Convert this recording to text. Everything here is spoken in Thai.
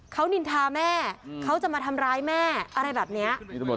เขานินทาแม่เขาจะมาทำร้ายแม่อะไรแบบนี้